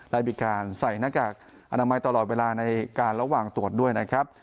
ได้มีการใส่หน้ากากอนามัยตลอดเวลาในการระหว่างตรวจด้วยนะครับ